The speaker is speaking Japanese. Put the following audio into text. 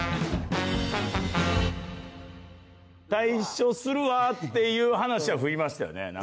退所するわっていう話は振りましたよね。